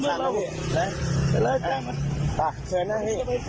แจ้งมาเลยแจ้งมาเลย